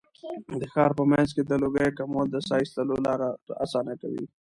د ښار په منځ کې د لوګیو کمول د ساه ایستلو لاره اسانه کوي.